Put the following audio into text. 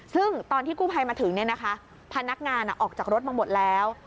ซึ่งตอนที่กู้ภัยมาถึงพนักงานออกจากรถมาหมดแล้ว